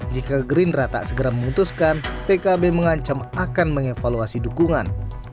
jika gerindra tak segera memutuskan pkb mengancam akan mengevaluasi dukungan